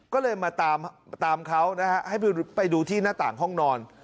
ก็เลยมาตามเขานะฮะให้ไปดูที่หน้าต่างห้องนอน